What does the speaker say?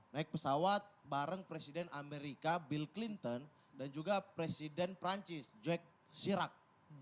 naik pesawat bareng presiden amerika bill clinton dan juga presiden perancis jack sirak